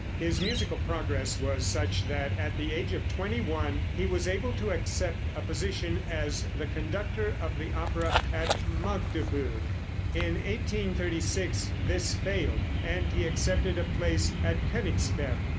His musical progress was such that at the age of twenty one he was able to accept a position as the conductor of the opera at Magdeburg. In 1836 this failed, and he accepted a place at Königsberg.